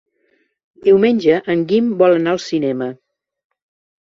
Diumenge en Guim vol anar al cinema.